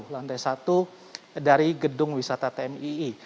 lantai satu dari gedung wisata tmii